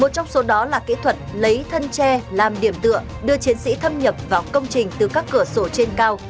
có kỹ thuật lấy thân tre làm điểm tựa đưa chiến sĩ thâm nhập vào công trình từ các cửa sổ trên cao